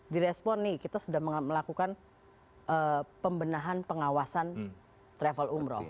direspon nih kita sudah melakukan pembenahan pengawasan travel umroh